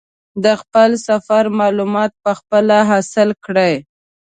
د خپل سفر معلومات په خپله حاصل کړي.